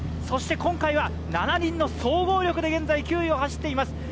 そして今回は７人の総合力で現在９位を走っています。